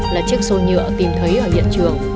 là chiếc xô nhựa tìm thấy ở diện trường